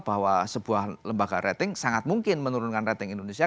bahwa sebuah lembaga rating sangat mungkin menurunkan rating indonesia